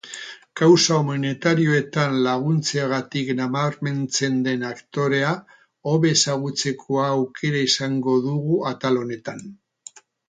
Kausa humanitarioetan laguntzeagatik nabarmentzen den aktorea hobe ezagutzekoa aukera izango dugu atal honetan.